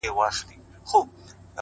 • لاري بندي وې له واورو او له خټو ,